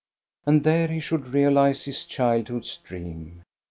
And there he should realize his childhood's dream.